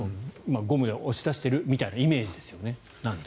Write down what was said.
ゴムで押し出しているみたいなイメージですよね。